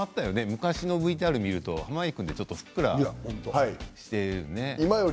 昔のＶＴＲ見ると濱家君ってちょっとふっくらしてたよね。